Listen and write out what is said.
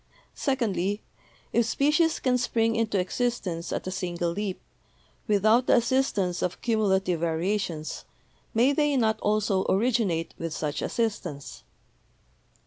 Secondly, if species can spring into exist ence at a single leap, without the assistance of cumulative variations, may they not also originate with such assist ance?